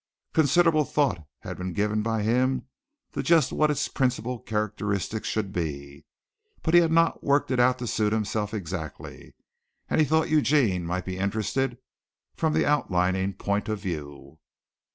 Considerable thought had been given by him as to just what its principal characteristics should be, but he had not worked it out to suit himself exactly, and he thought Eugene might be interested from the outlining point of view.